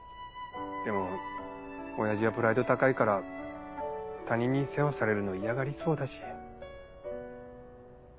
でも親父はプライド高いから他人に世話されるの嫌がりそうだし。